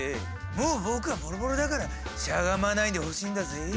もう僕はボロボロだからしゃがまないでほしいんだぜぇ。